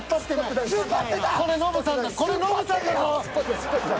これノブさんだ。